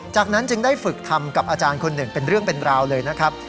จากนั้นจึงได้ฝึกทำกับอาจารย์คนหนึ่งเป็นเรื่องเป็นราวเลยนะครับ